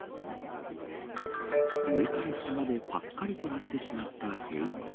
上から下までぱっかりと割れてしまった塀。